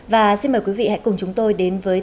và xin mời quý vị hãy cùng chúng tôi đến với